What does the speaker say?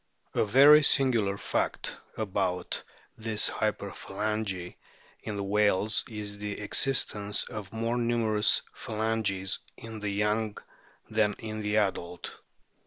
A very singular fact about this hyperphalangy in the whales is the existence of more numerous phalanges in the young than in the adult.